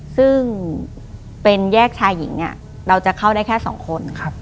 ซึ่งเป็นแยกชายหญิงเราจะเข้าได้แค่สองคน